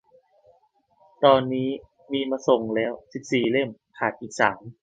ตอนนี้มีส่งมาแล้วสิบสี่เล่ม ขาดอีกสาม